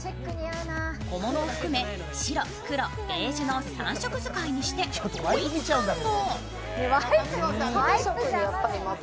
小物を含め白、黒、ベージュの３色使いにして統一感も。